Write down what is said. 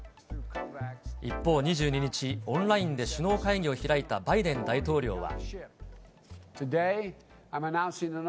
一方、２２日、オンラインで首脳会議を開いたバイデン大統領は。